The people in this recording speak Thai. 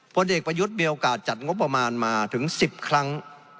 ผลเอกประยุทธ์มีโอกาสจัดงบประมาณมาถึง๑๐ครั้ง